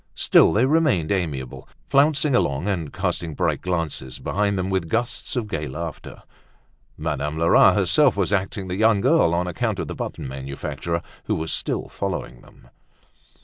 Still they remained amiable, flouncing along and casting bright glances behind them with gusts of gay laughter. Madame Lerat herself was acting the young girl, on account of the button manufacturer who was still following them.